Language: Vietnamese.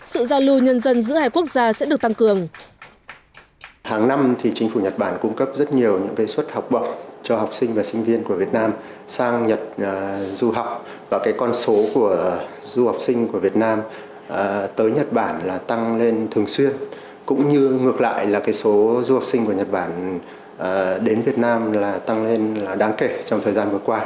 sự giao lưu nhân dân giữa hai quốc gia sẽ được tăng cường